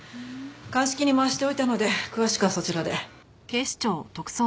鑑識に回しておいたので詳しくはそちらで。